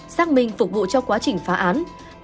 xác minh phục vụ cho quá trình phá án